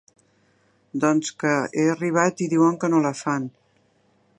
Doncs que he arribat i diuen que no la fan.